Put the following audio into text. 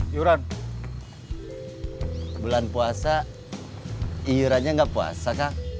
tujuan sekarang bana